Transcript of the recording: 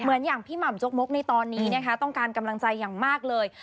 อย่างพี่หม่ำจกมกในตอนนี้นะคะต้องการกำลังใจอย่างมากเลย